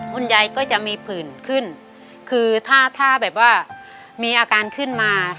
คุณยายก็จะมีผื่นขึ้นคือถ้าถ้าแบบว่ามีอาการขึ้นมา